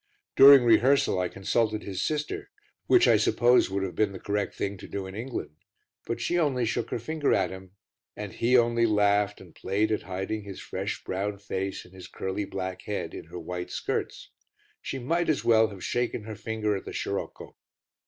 During rehearsal I consulted his sister, which I suppose would have been the correct thing to do in England, but she only shook her finger at him, and he only laughed and played at hiding his fresh brown face and his curly black head in her white skirts; she might as well have shaken her finger at the scirocco.